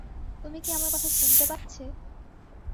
তুমি কি আমার কথা শুনতে পাচ্ছে?